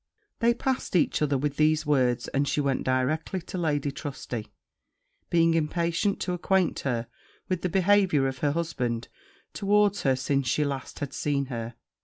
They passed each other with these words; and she went directly to Lady Trusty, being impatient to acquaint her with the behaviour of her husband towards her since she last had seen her.